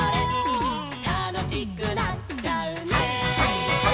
「たのしくなっちゃうね」